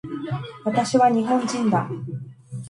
私は日本人だ